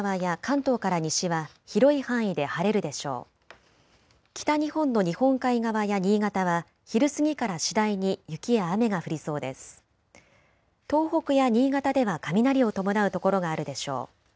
東北や新潟では雷を伴う所があるでしょう。